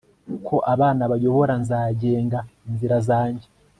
ko abana bayobora, nzagenga inzira zanjye